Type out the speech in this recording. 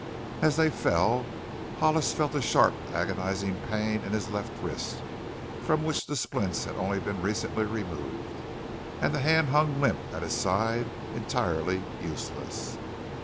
As they fell Hollis felt a sharp, agonizing pain in his left wrist, from which the splints had been only recently removed, and the hand hung limp at his side, entirely useless.